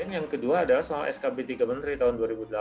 yang kedua adalah soal skb tiga menteri tahun dua ribu delapan belas